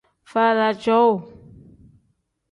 Faala cowuu.